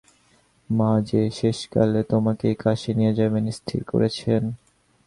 মা যে শেষকালে তোমাকেই কাশী নিয়ে যাবেন স্থির করেছেন।